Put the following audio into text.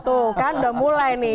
tuh kan udah mulai nih